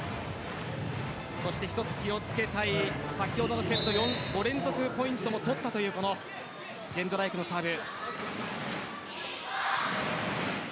一つ気をつけたい先ほどのセット５連続ポイントも取ったというジェンドライクのサーブ。